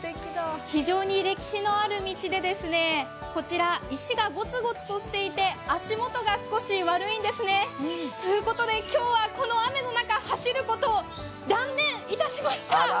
非常に歴史のある道で、石がゴツゴツとしていて、足元が少し悪いんですね。ということで今日はこの雨の中走ることを断念いたしました！